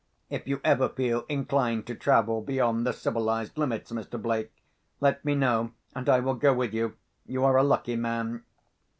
If you ever feel inclined to travel beyond the civilised limits, Mr. Blake, let me know, and I will go with you. You are a lucky man."